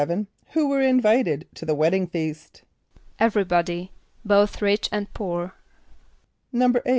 = Who were invited to the wedding feast? =Everybody, both rich and poor.= =8.